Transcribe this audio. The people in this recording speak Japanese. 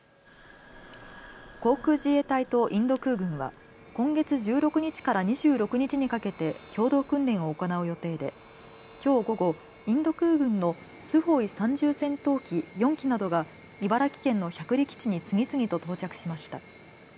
航空自衛隊とインド空軍は今月１６日から２６日にかけて共同訓練を行う予定できょう午後、インド空軍のスホイ３０戦闘機４機などが茨城県の百里基地に次々と到着しました。